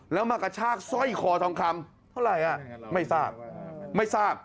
แล้วมากระชากสร้อยคอทองคำเท่าไหร่อ่ะไม่ทราบไม่ทราบ